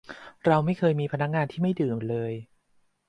เราไม่เคยมีพนักงานที่ไม่ดื่มเลย